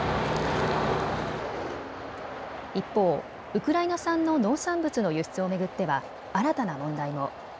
一方、ウクライナ産の農産物の輸出を巡っては新たな問題も。